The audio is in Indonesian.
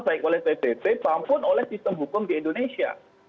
baik oleh pbb maupun oleh sistem hukum di indonesia